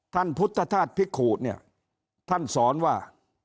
ท่านพุทธธาตุพิกุเนี่ยท่านสอนว่า